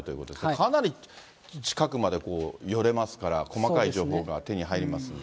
かなり近くまで寄れますから、細かい情報が手に入りますんで。